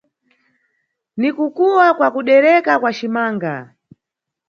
Ni kukuwa kwa kudereka kwa cimanaga.